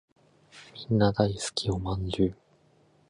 みんな大好きお饅頭